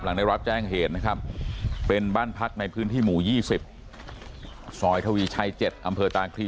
ได้รับแจ้งเหตุนะครับเป็นบ้านพักในพื้นที่หมู่๒๐ซอยทวีชัย๗อำเภอตาคลี